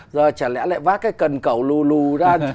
rồi chả lẽ lại vác cái cần cầu lù lù ra